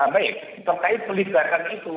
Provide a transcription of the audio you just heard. baik terkait melibatkan itu